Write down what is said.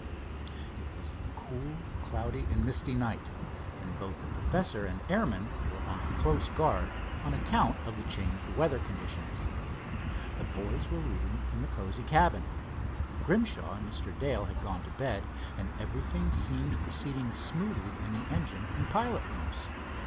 It was a cool, cloudy and misty night, and both the professor and airman were on close guard on account of the changed weather conditions. The boys were reading in the cozy cabin. Grimshaw and Mr. Dale had gone to bed, and everything seemed proceeding smoothly in engine and pilot rooms.